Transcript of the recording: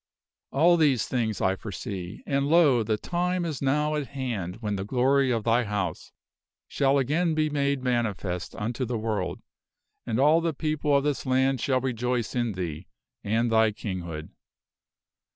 All these things I foresee; and, lo ! the time is now at hand when the glory of thy House shall again be made manifest unto the world, and all the people of this land shall rejoice in thee and thy kinghood.